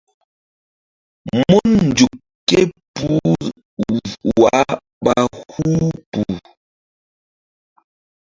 Mun nzukri ké puh wah ɓa huh kpuh.